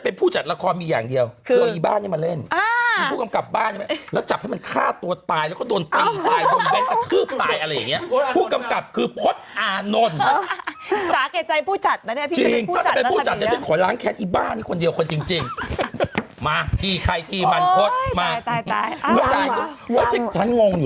เป็นจากมิติสู่ศัตรูนำแทนคู่กับคุณหนุ่มกันช่าย